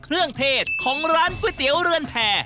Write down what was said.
เครื่องเทศของร้านก๋วยเตี๋ยวเรือนแพร